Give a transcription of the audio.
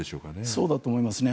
そうだと思います。